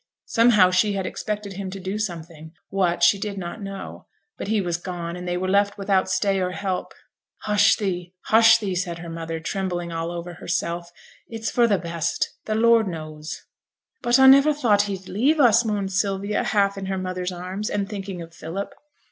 Somehow she had expected him to do something what, she did not know; but he was gone, and they were left without stay or help. 'Hush thee, hush thee,' said her mother, trembling all over herself; 'it's for the best. The Lord knows.' 'But I niver thought he'd leave us,' moaned Sylvia, half in her mother's arms, and thinking of Philip.